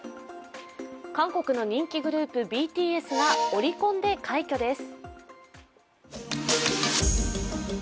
韓国の人気グループ、ＢＴＳがオリコンで快挙です。